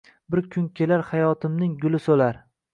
Bir kun kelar hayotimning guli so’lar